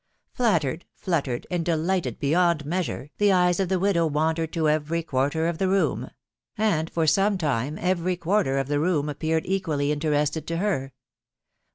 Flattered, fluttered, and delighted beyond measure, the eyes of the widow wandered to every quarter of the room ; and for some time every quarter of the room appeared equally interest ing to her; hut.